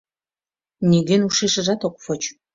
Нигӧн ушешыжат ок воч...